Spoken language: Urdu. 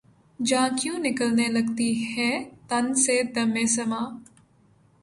جاں کیوں نکلنے لگتی ہے تن سے‘ دمِ سماع